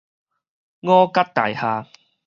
五角大廈